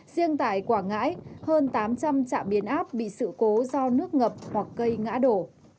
riêng tại quảng ngãi hơn tám trăm linh trạm biến áp bị sự cố do nước ngập hoặc cây ngã đổ